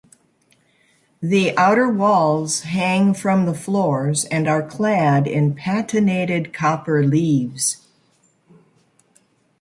The outer walls hang from the floors and are clad in patinated copper leaves.